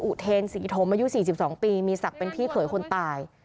อุเทนศรีธมอายุ๔๒ปีมีศักดิ์เป็นพี่เขยคนตาย